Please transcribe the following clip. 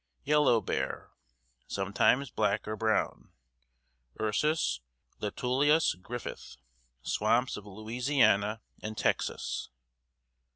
YELLOW BEAR (sometimes black or brown): Ursus luteolus Griffith. Swamps of Louisiana and Texas.